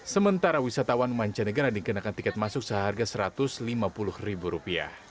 sementara wisatawan mancanegara dikenakan tiket masuk seharga rp satu ratus lima puluh